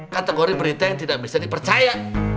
kategori berita yang tidak bisa dipercaya